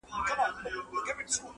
یو څه ملنګ یې یو څه شاعر یې.!.!